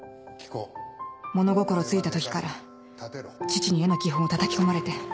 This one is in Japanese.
物心ついた時から父に絵の基本をたたき込まれて。